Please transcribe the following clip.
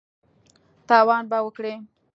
تاوان به وکړې !